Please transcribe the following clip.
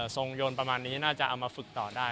ทรงโยนประมาณนี้น่าจะเอามาฝึกต่อได้